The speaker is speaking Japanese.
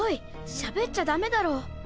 しゃべっちゃダメだろ。